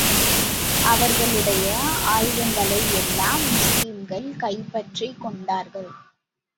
அவர்களுடைய ஆயுதங்களை எல்லாம் முஸ்லிம்கள் கைப்பற்றிக் கொண்டார்கள்.